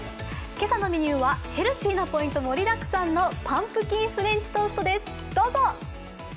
今朝のメニューはヘルシーなポイント盛りだくさんのパンプキンフレンチトーストです。